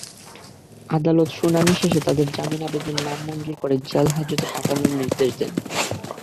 আদালত শুনানি শেষে তাঁদের জামিন আবেদন নামঞ্জুর করে জেলহাজতে পাঠনোর নির্দেশ দেন।